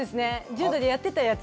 柔道でやってたやつ。